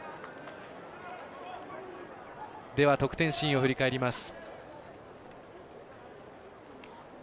得点シーンを振り返ります。